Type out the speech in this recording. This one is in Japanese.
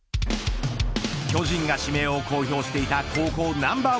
巨人が指名を公表していた高校ナンバー１